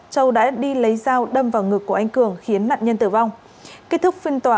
châu đã đi lấy dao đâm vào ngực của anh cường khiến nạn nhân tử vong kết thúc phiên tòa